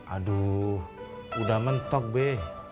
aduh udah mentok be